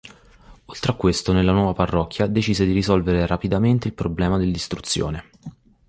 Oltre a questo nella nuova parrocchia decise di risolvere rapidamente il problema dell'istruzione.